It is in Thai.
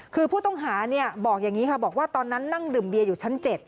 คือผู้ต้องหาบอกอย่างนี้ค่ะบอกว่าตอนนั้นนั่งดื่มเบียอยู่ชั้น๗